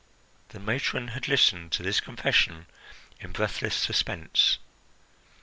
The matron had listened to this confession in breathless suspense.